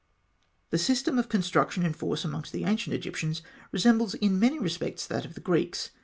] The system of construction in force among the ancient Egyptians resembles in many respects that of the Greeks.